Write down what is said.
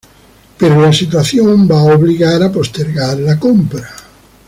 Pero la situación va a obligar a postergar la compra.